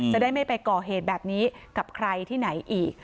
จะได้ไม่ไปก่อเหตุแบบนี้กับใครที่ไหนอีก